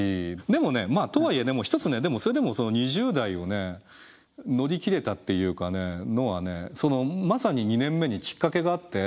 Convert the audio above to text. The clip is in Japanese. でもねまあとはいえ一つねそれでもその２０代を乗り切れたっていうのはねまさに２年目にきっかけがあって。